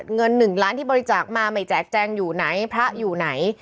เงิน๑ล้านที่บริจาคมาไม่แจกแจงอยู่ไหนพระอยู่ไหน